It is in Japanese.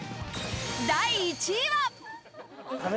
第１位は？